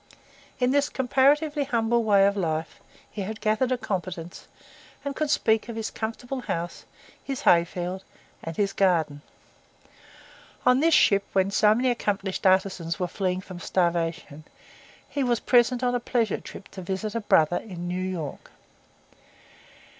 In this comparatively humble way of life he had gathered a competence, and could speak of his comfortable house, his hayfield, and his garden. On this ship, where so many accomplished artisans were fleeing from starvation, he was present on a pleasure trip to visit a brother in New York.